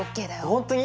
本当に？